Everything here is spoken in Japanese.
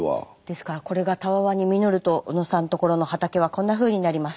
ですからこれがたわわに実ると小野さんところの畑はこんなふうになります。